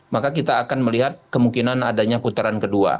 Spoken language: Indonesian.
maka kita akan melihat kemungkinan adanya putaran kedua